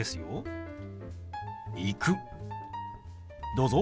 どうぞ。